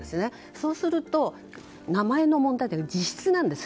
そうすると名前の問題は実質なんです。